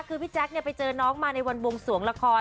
คือพี่แจ๊คไปเจอน้องมาในวันวงสวงละคร